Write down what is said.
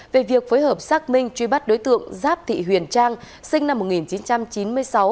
về việc phối hợp xác minh truy bắt đối tượng giáp thị huyền trang sinh năm một nghìn chín trăm chín mươi sáu